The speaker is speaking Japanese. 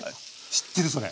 知ってるそれ。